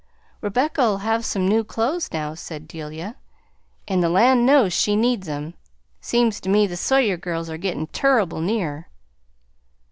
"Rebecca'll have some new clothes now," said Delia, "and the land knows she needs 'em. Seems to me the Sawyer girls are gittin' turrible near!"